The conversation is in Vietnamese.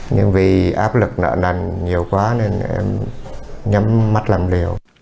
nhưng vì áp lực nợ nành nhiều quá nên em nhắm mắt làm liều